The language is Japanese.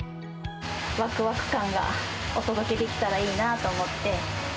わくわく感がお届けできたらいいなと思って。